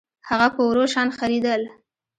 هغه په ورو شان خرېدل